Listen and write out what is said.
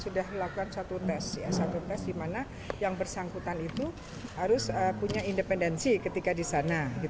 sudah melakukan satu tes satu tes di mana yang bersangkutan itu harus punya independensi ketika di sana